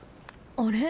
あれ？